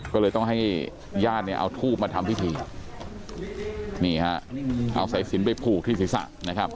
ก็เลยต้องให้ญาติเนี่ยเอาทูบมาทำพิธีนี่ฮะเอาสายสินไปผูกที่ศีรษะนะครับ